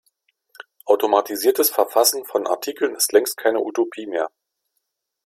Automatisiertes Verfassen von Artikeln ist längst keine Utopie mehr.